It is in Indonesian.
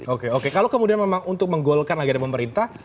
oke oke kalau kemudian memang untuk menggolkan lagi ada pemerintah